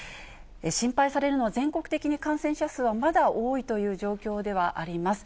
心配されるのは、全国的に感染者数はまだ多いという状況ではあります。